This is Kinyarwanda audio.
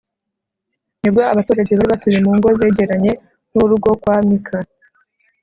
ni bwo abaturage bari batuye mu ngo zegeranye n'urwo kwa mika